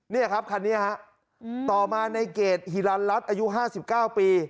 นี่ครับคันนี้ฮะต่อมาในเกรดฮิลันรัฐอายุ๕๙ปี